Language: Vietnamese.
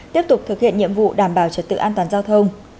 tiếp tục thực hiện nhiệm vụ đảm bảo trật tự an toàn giao thông